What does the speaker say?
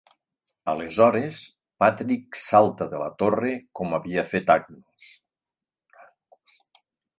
Aleshores, Patrick salta de la torre, com havia fet Angus.